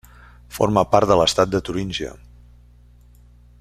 Forma part de l'estat de Turíngia.